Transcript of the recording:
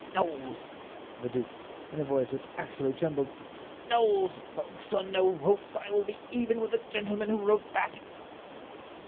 "Knowles," said the duke, in a voice which actually trembled, "Knowles, hoax or no hoax, I will be even with the gentleman who wrote that."